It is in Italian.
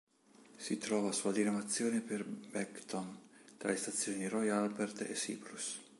Si trova sulla diramazione per Beckton, tra le stazioni di Royal Albert e Cyprus.